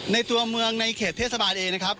ในตัวเมืองในเขตเทศบาลเองนะครับ